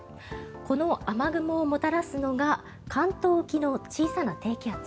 この雨雲をもたらすのが関東沖の小さな低気圧。